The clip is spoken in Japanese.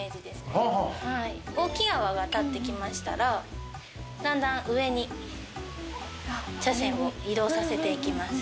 大きい泡が立ってきましたら、だんだん上に茶せんを移動させていきます。